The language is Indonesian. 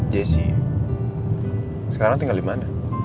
jessy sekarang tinggal dimana